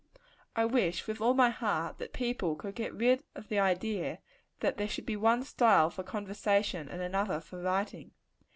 I wish, with all my heart, that people could get rid of the idea, that there should be one style for conversation, and another for writing.